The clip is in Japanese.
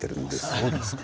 そうですか。